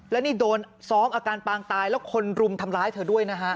และนี่โดนซ้อมอาการปางตายแล้วคนรุมทำร้ายเธอด้วยนะฮะ